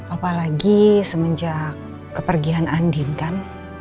apalagi semenjak kepergian andin kan